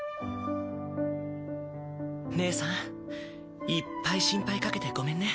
義姉さんいっぱい心配かけてごめんね。